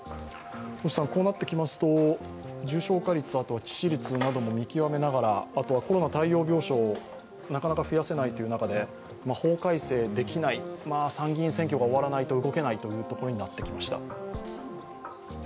こうなってきますと重症化率、致死率なども見極めながらコロナ対応病床をなかなか増やせないという中で法改正できない、参議院選挙が終わらないとできないというところになってきました。